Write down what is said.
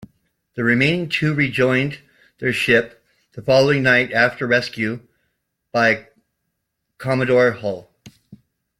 The remaining two rejoined their ship the following night after rescue by "Commodore Hull".